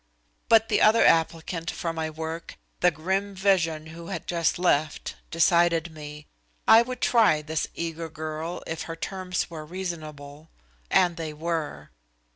But the other applicant for my work, the grim vision who had just left, decided me. I would try this eager girl if her terms were reasonable and they were.